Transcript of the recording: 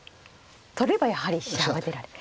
取ればやはり飛車を出られて。